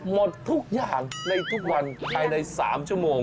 หมดทุกอย่างในทุกวันภายใน๓ชั่วโมง